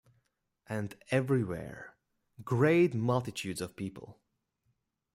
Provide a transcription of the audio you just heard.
And everywhere great multitudes of people.